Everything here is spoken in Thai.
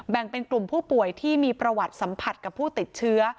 แบ่งเป็นกลุ่มผู้ป่วยที่มีประวัติสัมผัสกับผู้ติดเชื้อ